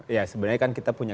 ya sebenarnya kan kita punya